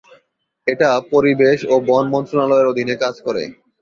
এটা পরিবেশ ও বন মন্ত্রণালয়ের অধীনে কাজ করে।